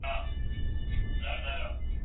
د انګریزانو د هماغه شعار "تفرقه واچوه او حکومت